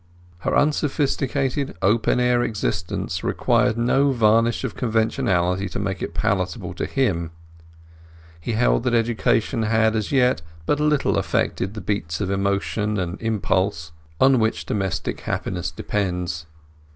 Her unsophisticated open air existence required no varnish of conventionality to make it palatable to him. He held that education had as yet but little affected the beats of emotion and impulse on which domestic happiness depends.